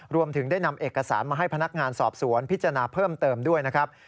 รวมถึงได้นำเอกสารมาให้พนักงานสอบสวนพิจารณาเพิ่มเติมด้วยนะครับ